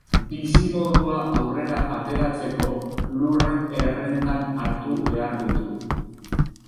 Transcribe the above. Bizimodua aurrera ateratzeko, lurrak errentan hartu behar ditu.